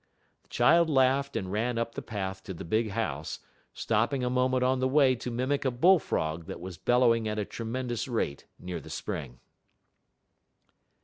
The child laughed and ran up the path to the big house, stopping a moment on the way to mimic a bull frog that was bellowing at a tremendous rate near the spring.